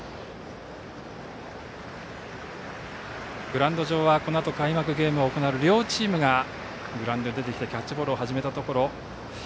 グラウンド上はこのあと開幕ゲームが行われる両チームがグラウンドに出てきてキャッチボールを始めています。